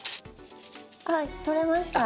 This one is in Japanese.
あっ取れました。